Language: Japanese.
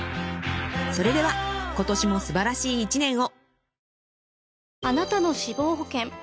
［それでは今年も素晴らしい一年を］